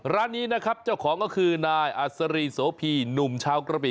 ร้านนี้นะครับเจ้าของก็คือนายอัศรีโสพีหนุ่มชาวกระบิ